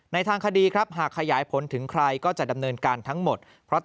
ทางคดีครับหากขยายผลถึงใครก็จะดำเนินการทั้งหมด